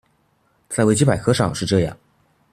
在維基百科上是這樣